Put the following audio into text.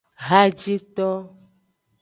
Hajito.